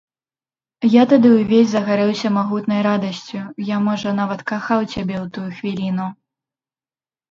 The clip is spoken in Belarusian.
Я тады ўвесь загарэўся магутнай радасцю, я, можа, нават кахаў цябе ў тую хвіліну.